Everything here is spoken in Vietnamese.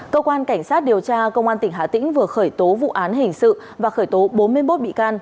cơ quan cảnh sát điều tra công an tỉnh hà tĩnh vừa khởi tố vụ án hình sự và khởi tố bốn mươi một bị can